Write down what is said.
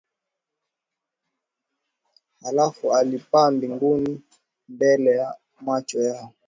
halafu alipaa mbinguni mbele ya macho yao